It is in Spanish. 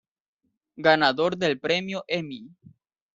Ganador del Premio Emmy.